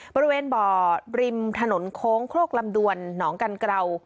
บริเวณบ่อริมถนนโค้งโครกลำดวนหนองกันเกรา